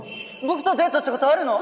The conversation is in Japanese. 僕とデートした事あるの！？